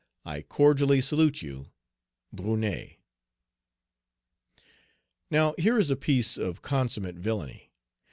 "I cordially salute you, "BRUNET." Now here is a piece of consummate villany.